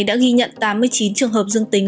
đã ghi nhận tám mươi chín trường hợp dương tính